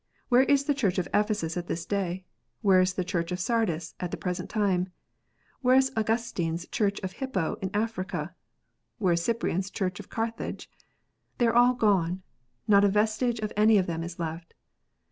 Where is the Church of Ephesus at this day 1 Where is the Church of Sardis at the present time 1 ? Where is Augustine s Church of Hippo in Africa ? Where is Cyprian s Church of Carthage 1 They are all gone ! Not a vestige of any of them is left